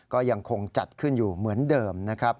ก็ยังคงจัดขึ้นอยู่เหมือนเดิมนะครับ